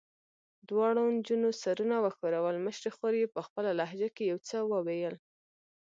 دواړو نجونو سرونه وښورول، مشرې خور یې په خپله لهجه کې یو څه وویل.